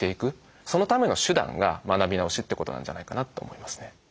そのための手段が学び直しってことなんじゃないかなと思いますね。